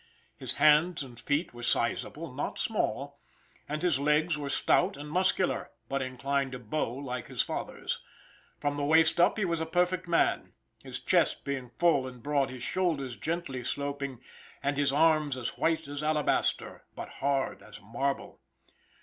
His hands and feet were sizable, not small, and his legs were stout and muscular, but inclined to bow like his father's. From the waist up he was a perfect man; his chest being full and broad, his shoulders gently sloping, and his arms as white as alabaster, but hard as marble.